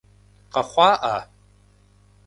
Къэхъуа ӏа?